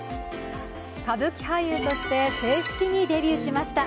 歌舞伎俳優として正式にデビューしました。